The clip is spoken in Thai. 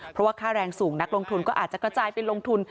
เพราะว่าค่าแรงสูงนักลงทุนก็อาจจะกระจายไปลงทุน